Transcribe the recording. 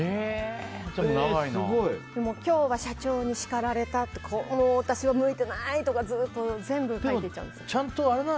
今日は社長に叱られた私は向いてないとか全部書いてたんです。